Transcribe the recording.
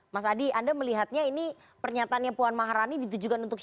mas adi anda melihatnya ini pernyataannya puan maharani ditujukan untuk siapa